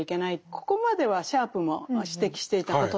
ここまではシャープも指摘していたことなんですね。